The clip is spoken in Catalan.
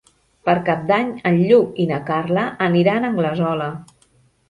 Per Cap d'Any en Lluc i na Carla aniran a Anglesola.